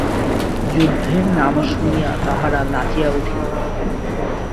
যুদ্ধের নাম শুনিয়া তাহারা নাচিয়া উঠিল।